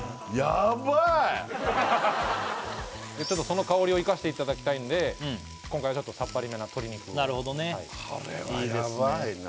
その香りを生かしていただきたいんで今回はちょっとさっぱりめな鶏肉をなるほどねいいですね